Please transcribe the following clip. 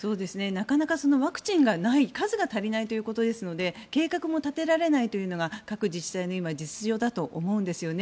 なかなかワクチンがない数が足りないということですので計画も立てられないというのが各自治体の実情だと思うんですよね。